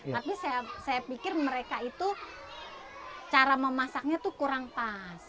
tapi saya pikir mereka itu cara memasaknya itu kurang pas